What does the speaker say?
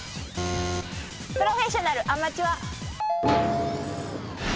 プロフェッショナルアマチュア。